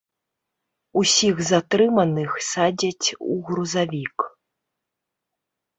Усіх затрыманых садзяць у грузавік.